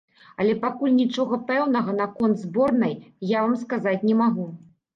Але пакуль нічога пэўнага наконт зборнай я вам сказаць не магу.